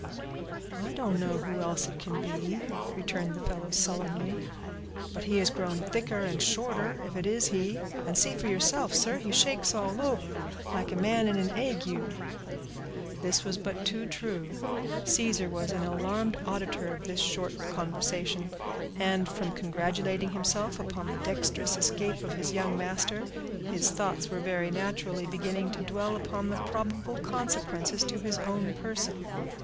"I don't know who else it can be," returned the fellow, sullenly; "but he has grown thicker and shorter, if it is he; and see for yourself, sir, he shakes all over, like a man in an ague." This was but too true. Caesar was an alarmed auditor of this short conversation, and, from congratulating himself upon the dexterous escape of his young master, his thoughts were very naturally beginning to dwell upon the probable consequences to his own person.